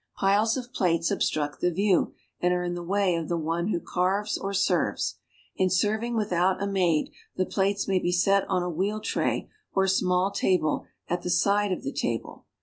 Piles of plates obstruct the view, and are in the way of the one who carves or serves. In serving without a maid, the plates may be set on a wheel tray or small table at the side of the table.